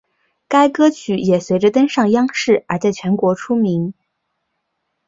该歌曲也随着登上央视而在全国出名。